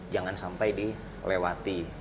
jangan sampai dilewati